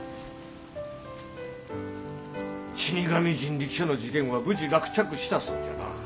死神人力車の事件は無事落着したそうじゃな。